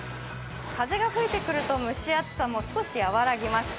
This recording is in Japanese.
風が吹いて来ると蒸し暑さも少し和らぎます。